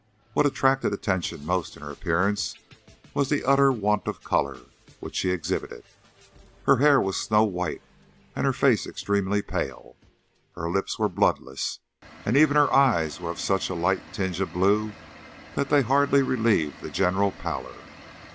What attracted attention most in her appearance was the utter want of colour which she exhibited. Her hair was snow white, and her face extremely pale. Her lips were bloodless, and even her eyes were of such a light tinge of blue that they hardly relieved the general pallor.